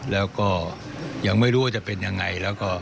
แล้วก็ยังไม่รู้ว่าจะเป็นยังไง